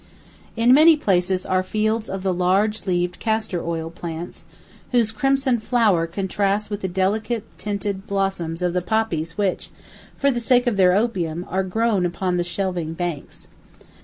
In many places are fields of the large leaved castor oil plants, whose crimson flower contrasts with the delicately tinted blossoms of the poppies which, for the sake of their opium, are grown upon the shelving banks.